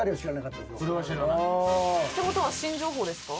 ってことは新情報ですか？